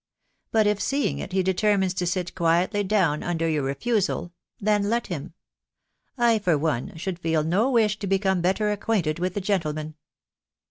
... But if, seeing it, he determines to sit quietly down under your refusal .... then let him ; I, for one, should feel no wish to become better acquainted with the gentleman."